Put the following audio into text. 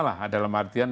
lebih lama dalam artian